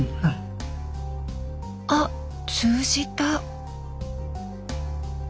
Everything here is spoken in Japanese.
あっ通じた。